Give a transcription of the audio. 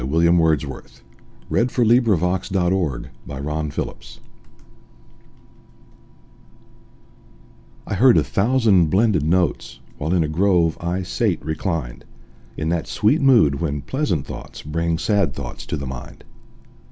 William Wordsworth Lines Written in Early Spring I HEARD a thousand blended notes, While in a grove I sate reclined, In that sweet mood when pleasant thoughts Bring sad thoughts to the mind.